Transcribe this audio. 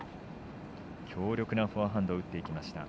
強力なフォアハンドを打っていきました